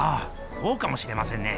そうかもしれませんね。